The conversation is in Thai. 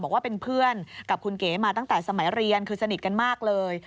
บอกว่าเป็นเพื่อนกับคุณเก๋มาตั้งแต่สมัยเรียนคือสนิทกันมากเลย